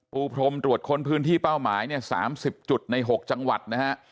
ปูพรมตรวจค้นพื้นที่เป้าหมายเนี่ย๓๐จุดใน๖จังหวัดนะฮะ